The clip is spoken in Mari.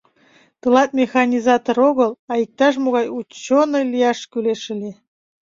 — Тылат механизатор огыл, а иктаж-могай ученый лияш кӱлеш ыле...